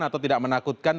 atau tidak menakutkan